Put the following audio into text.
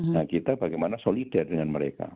nah kita bagaimana solidar dengan mereka